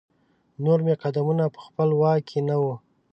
نور مې قدمونه په خپل واک کې نه وو.